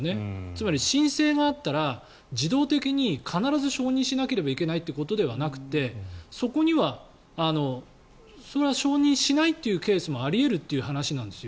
つまり、申請があったら自動的に必ず承認しなければいけないということではなくてそこにはそれは承認しないというケースもあり得るという話なんです。